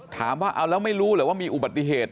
ถามว่าเอาแล้วไม่รู้เหรอว่ามีอุบัติเหตุ